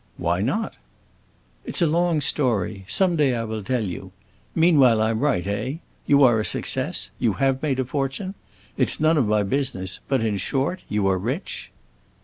"Why not?" "It's a long story. Some day I will tell you. Meanwhile, I'm right, eh? You are a success? You have made a fortune? It's none of my business, but, in short, you are rich?"